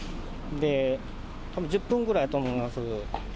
で、たぶん１０分ぐらいやと思います。